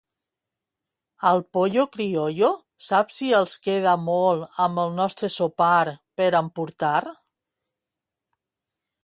Al Pollo Criollo, saps si els queda molt amb el nostre sopar per emportar?